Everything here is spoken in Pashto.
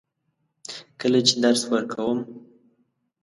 کله چې درس ورکوم.